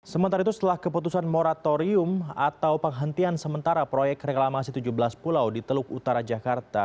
sementara itu setelah keputusan moratorium atau penghentian sementara proyek reklamasi tujuh belas pulau di teluk utara jakarta